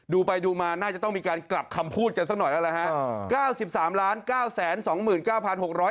ดูไปดูมาน่าจะต้องมีการกลับคำพูดกันสักหน่อยแล้วล่ะฮะ